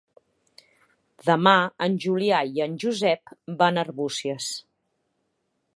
Demà en Julià i en Josep van a Arbúcies.